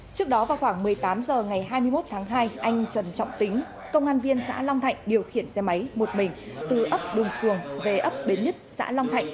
trước đó vào khoảng một mươi tám h ngày hai mươi một tháng hai anh trần trọng tính công an viên xã long thạnh điều khiển xe máy một mình từ ấp đường xuồng về ấp bến nhất xã long thạnh